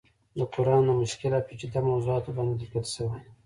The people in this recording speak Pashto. د قرآن د مشکل او پيچيده موضوعاتو باندې ليکلی شوی